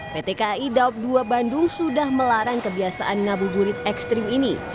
pt kai daup dua bandung sudah melarang kebiasaan ngabuburit ekstrim ini